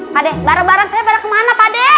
pade barang barang saya kemana pade